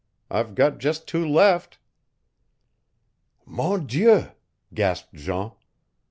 I've got just two left." "Mon Dieu!" gasped Jean.